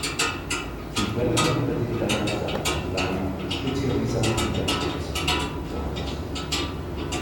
Sün quella gruppa d’età s’ha Tulai specialisà fingià ils ultims ons.